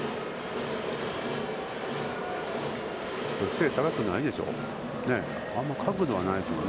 背は高くないでしょう？